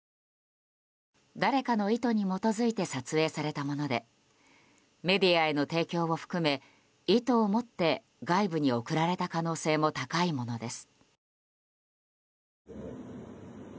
誰かの意図に基づいて撮影されたものでメディアへの提供も含め意図を持って外部に送られた可能性も高いものです。